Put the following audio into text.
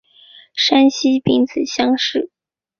山西丙子乡试。